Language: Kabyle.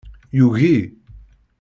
Yugi.